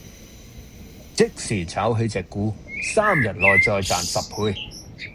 即時炒起隻股，三日內再賺十倍